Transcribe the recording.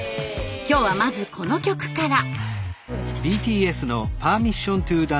今日はまずこの曲から。